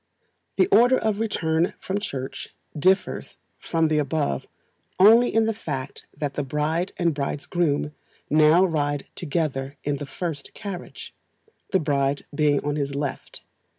The order of return from Church differs from the above only in the fact that the bride and bridegroom now ride together in the first carriage, the bride being on his left.